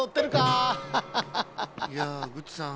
いやグッチさん